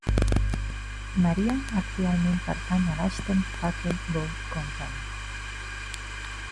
"Maria" actualment pertany a l'Ashton Packet Boat Company.